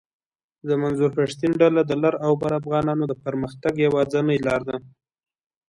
د منظور پشتین ډله د لر اوبر افغانانو د پرمختګ یواځنۍ لار ده